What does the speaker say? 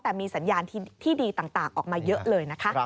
แต่มีสัญญาณที่ดีต่างออกมาเยอะเลยนะคะ